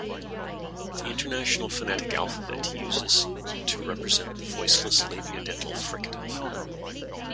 The International Phonetic Alphabet uses to represent the voiceless labiodental fricative.